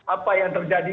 apa yang terjadi